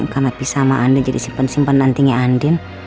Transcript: karena pisah sama andin jadi simpen simpen antingnya andin